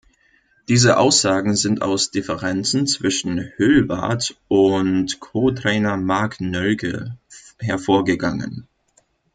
Diese Aussagen sind aus Differenzen zwischen Höllwarth und Co-Trainer Marc Nölke hervorgegangen.